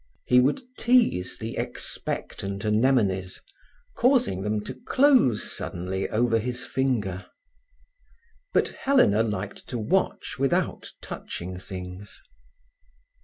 He would tease the expectant anemones, causing them to close suddenly over his finger. But Helena liked to watch without touching things.